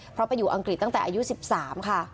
เพราะไปอยู่อังกฤษตั้งแต่อายุ๑๓ค่ะ